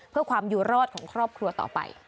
เพื่อความอยู่รอดของครอบครัวต่อไป